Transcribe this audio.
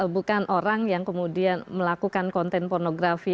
bukan orang yang kemudian melakukan konten pornografi